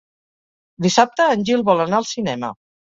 Dissabte en Gil vol anar al cinema.